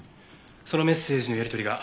そのメッセージのやりとりが。